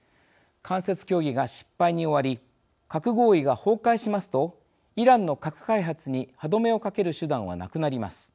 間接協議が失敗に終わり核合意が崩壊しますとイランの核開発に歯止めをかける手段はなくなります。